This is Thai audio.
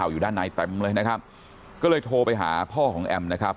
อยู่ด้านในเต็มเลยนะครับก็เลยโทรไปหาพ่อของแอมนะครับ